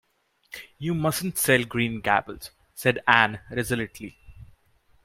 “You mustn’t sell Green Gables,” said Anne resolutely.